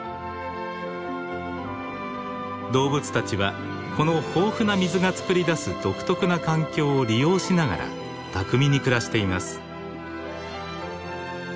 動物たちはこの豊富な水がつくり出す独特な環境を利用しながら巧みに暮らしています。